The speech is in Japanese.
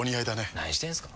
何してんすか。